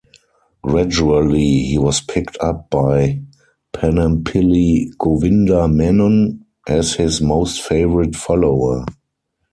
Gradually, he was picked up by Panampilly Govinda Menon as his most favourite follower.